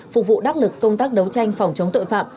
phục vụ đắc lực công tác đấu tranh phòng chống tội phạm